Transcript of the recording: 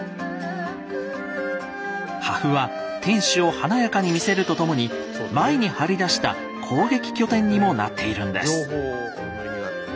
破風は天守を華やかに見せるとともに前に張り出した攻撃拠点にもなっているんです。